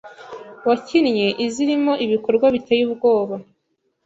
wakinnye izirimo ibikorwa biteye ubwoba